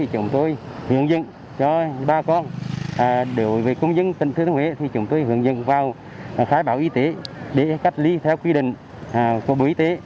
chúng tôi hướng dẫn cho bà con đối với công dân tỉnh thế thuế chúng tôi hướng dẫn vào khai báo y tế để cách ly theo quy định của bộ y tế